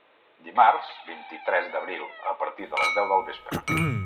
Dimarts, vint-i-tres d’abril a partir de les deu del vespre.